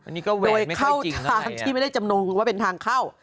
โดยเข้าทางที่ไม่ได้จำนวงว่าเป็นทางเข้า